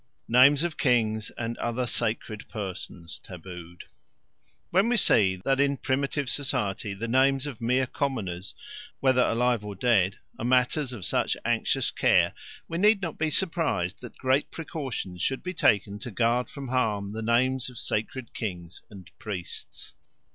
Names of Kings and other Sacred Persons tabooed WHEN we see that in primitive society the names of mere commoners, whether alive or dead, are matters of such anxious care, we need not be surprised that great precautions should be taken to guard from harm the names of sacred kings and priests.